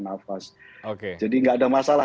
nafas jadi gak ada masalah